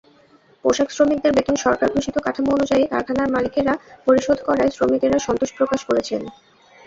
পোশাকশ্রমিকদের বেতন সরকার-ঘোষিত কাঠামো অনুযায়ী কারখানার মালিকেরা পরিশোধ করায় শ্রমিকেরা সন্তোষ প্রকাশ করেছেন।